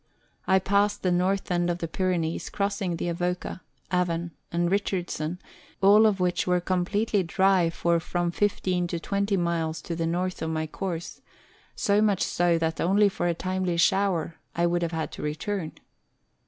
I passed the north end of the Pyrenees, crossing the Avoca, Avon, and Richardson, all of which were completely dry for from 15 to 20 miles to the north of my course ; so much so that only for a timely shower I would have had to return.